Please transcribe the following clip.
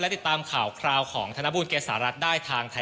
ติดตามข่าวคราวของธนบูลเกษารัฐได้ทางไทย